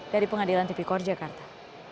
dari pengadilan tipikor jakarta